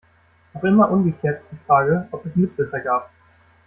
Noch immer ungeklärt ist die Frage, ob es Mitwisser gab.